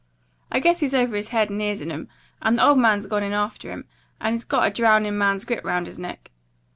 I guess he's over head and ears in 'em, and the old man's gone in after him, and he's got a drownin' man's grip round his neck.